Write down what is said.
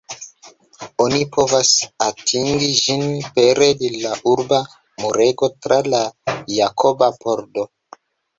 Oni povas atingi ĝin pere de la urba murego tra la Jakoba Pordo.